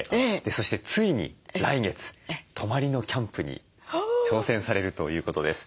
そしてついに来月泊まりのキャンプに挑戦されるということです。